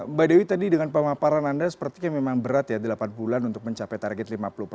mbak dewi tadi dengan pemaparan anda sepertinya memang berat ya delapan bulan untuk mencapai target lima puluh persen